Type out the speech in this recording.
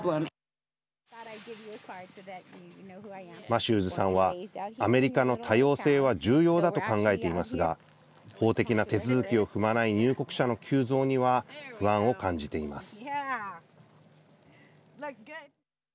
マシューズさんはアメリカの多様性は重要だと考えていますが法的な手続きを踏まない入国者の急増には不安を感じています。